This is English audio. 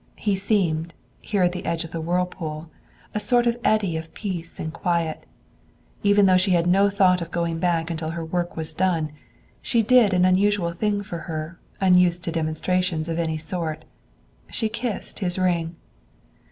He seemed, here at the edge of the whirlpool, a sort of eddy of peace and quiet. Even then she had no thought of going back until her work was done, but she did an unusual thing for her, unused to demonstration of any sort. She kissed his ring.